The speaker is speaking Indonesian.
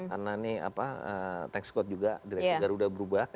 karena ini tax code juga dari garuda berubah